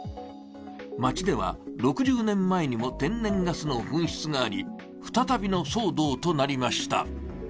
町では６０年前にも天然ガスの噴出があり、再びの騒動となりました。